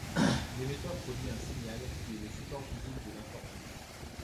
L'émetteur produit un signal qui est le support physique de l'information.